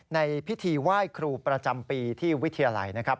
ในพิธีไหว้ครูประจำปีที่วิทยาลัยนะครับ